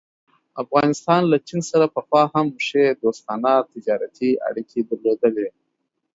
افغانستان له چین سره پخوا هم ښې دوستانه تجارتي اړيکې درلودلې.